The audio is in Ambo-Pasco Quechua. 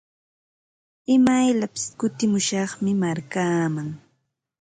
Imayllapis kutimushaqmi markaaman.